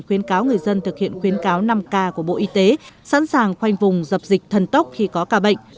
khuyến cáo người dân thực hiện khuyến cáo năm k của bộ y tế sẵn sàng khoanh vùng dập dịch thần tốc khi có ca bệnh